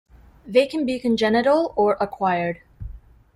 They can be congenital or acquired.